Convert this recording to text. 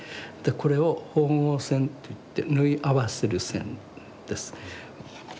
これを縫合線といって縫い合わせる線です。